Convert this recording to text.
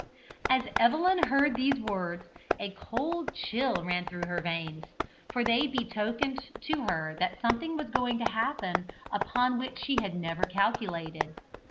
As Evelyn heard these words, a cold chill ran through her veins, for they betokened to her that something was going to happen upon which she had never calculated.